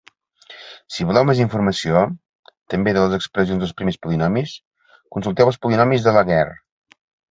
Si voleu més informació, també de les expressions dels primers polinomis, consulteu els polinomis de Laguerre.